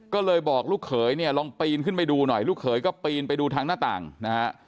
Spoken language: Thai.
ก็เลยบอกลูกเขยเนี่ยลองปีนขึ้นไปดูหน่อยลูกเขยก็ปีนไปดูทางหน้าต่างนะฮะ